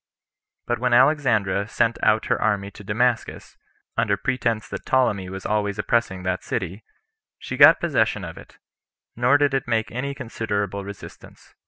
But when Alexandra sent out her army to Damascus, under pretense that Ptolemy was always oppressing that city, she got possession of it; nor did it make any considerable resistance.